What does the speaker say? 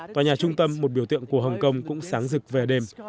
tòa nhà trung tâm một biểu tượng của hồng kông cũng sáng rực về đêm